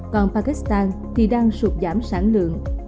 còn pakistan thì đang sụp giảm sản lượng